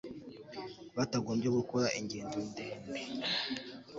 batagombye gukora ingendo ndende